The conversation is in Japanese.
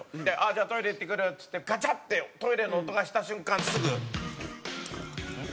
「じゃあトイレ行ってくる」っつってガチャッてトイレの音がした瞬間すぐ。